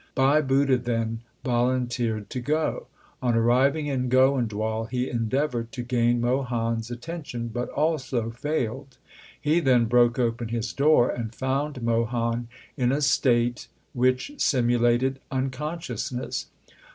Bhai Budha then volunteered to go. On arriving in Goindwal he endeavoured to gain Mohan s atten tion, but also failed. He then broke open his door, and found Mohan in a state which simulated uncon sciousness.